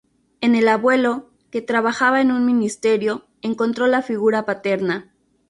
En el abuelo, que trabajaba en un Ministerio, encontró la figura paterna.